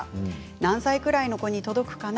何歳ぐらいの子どもに届くかな？